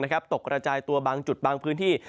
กระจายตัวบางจุดบางพื้นที่